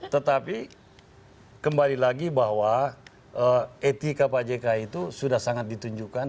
tetapi kembali lagi bahwa etika pak jk itu sudah sangat ditunjukkan